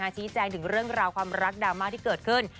ชี้แจงถึงเรื่องราวความรักดราม่าที่เกิดขึ้น